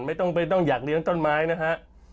ไม่ต้องอยากเลี้ยงต้นไม้นะฮะ